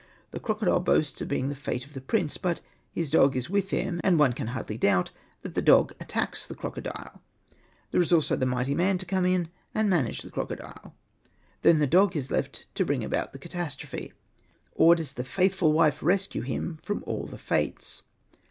The crocodile boasts of being the fate of the prince ; but his dog is with him, and one can hardly doubt that the dog attacks the crocodile. There is also the mighty n;ian to come in and manage the crocodile.* Then the dog is left to bring about the catastrophe. Or does the faithful wife rescue him from all the fates